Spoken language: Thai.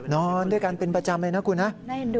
นอนด้วยกันเป็นประจำเลยนะคุณนะ